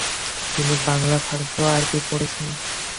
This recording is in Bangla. তিনি বাংলা, ফারসি ও আরবি পড়েছেন।